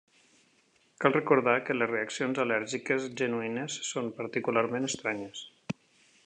Cal recordar que les reaccions al·lèrgiques genuïnes són particularment estranyes.